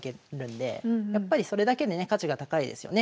やっぱりそれだけでね価値が高いですよね。